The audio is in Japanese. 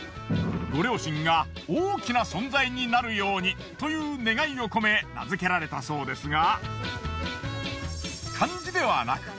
ご両親が大きな存在になるようにという願いを込め名づけられたそうですが漢字ではなく読みやすいように